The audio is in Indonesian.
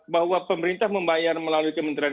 bahwa pemerintah membayar melalui kementerian